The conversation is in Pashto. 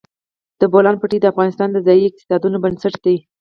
د بولان پټي د افغانستان د ځایي اقتصادونو بنسټ دی.